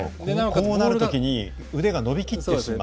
こうなる時に腕が伸びきってしまう。